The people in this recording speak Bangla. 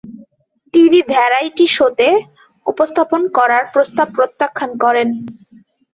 টিভি ভ্যারাইটি শোতে উপস্থাপন করার প্রস্তাব প্রত্যাখ্যান করেন।